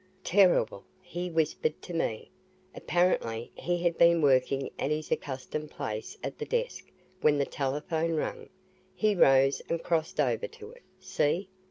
"Terrible!" he whispered to me. "Apparently he had been working at his accustomed place at the desk when the telephone rang. He rose and crossed over to it. See!